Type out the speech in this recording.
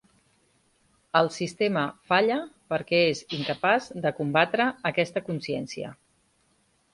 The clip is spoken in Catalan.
El sistema falla perquè és incapaç de combatre aquesta consciència.